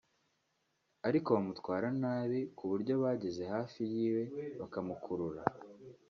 ariko “bamutwara nabi” ku buryo bageze hafi y’iwe “bakamukurura”